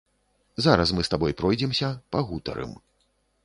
Зараз мы з табой пройдземся, пагутарым.